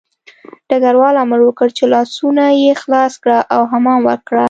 ډګروال امر وکړ چې لاسونه یې خلاص کړه او حمام ورکړه